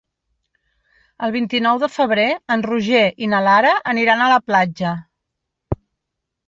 El vint-i-nou de febrer en Roger i na Lara aniran a la platja.